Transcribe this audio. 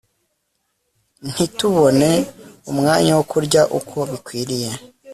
ntitubone umwanya wo kurya uko bikwiriye